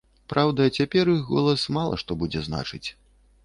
Праўда, цяпер іх голас мала што будзе значыць.